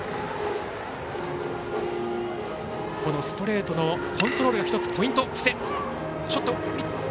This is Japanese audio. ストレートのコントロールが１つポイント、布施。